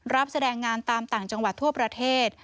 รับแสดงงานตามต่างจังหวัดทั่วประเทศ